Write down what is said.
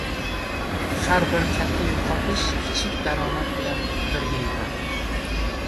• Har bir katta yo‘qotish kichik daromad bilan birga yuradi.